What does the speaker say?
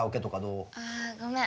あごめん。